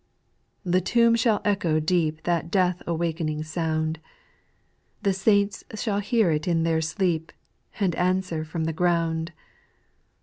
The tomb shall echo deep That death awakening sound ; The saints shall hear it in their sleep, And answer from the ground.